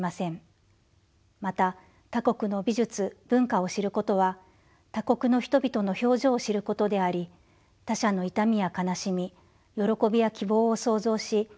また他国の美術文化を知ることは他国の人々の表情を知ることであり他者の痛みや悲しみ喜びや希望を想像し共感することでもあります。